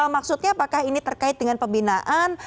maksudnya apakah ini terkait dengan pembinaan